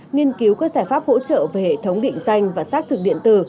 nghiên cứu các giải pháp hỗ trợ về hệ thống định danh và xác thực điện tử